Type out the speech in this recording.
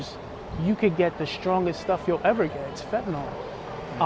anda bisa mendapatkan hal terkuat yang pernah anda dapatkan